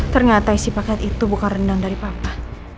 ternyata isi paket itu bukan rendang dari papa